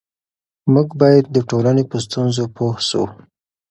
موږ باید د ټولنې په ستونزو پوه سو.